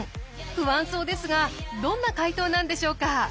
不安そうですがどんな解答なのでしょうか？